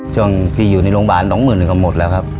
จนที่อยู่ในโรงพยาบาล๒หมื่นก็หมดแล้วครับ